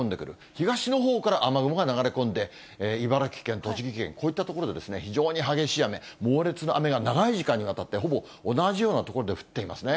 東のほうから雨雲が流れ込んで、茨城県、栃木県、こういった所で非常に激しい雨、猛烈な雨が長い時間にわたって、ほぼ同じような所で降っていますね。